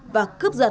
và cướp giật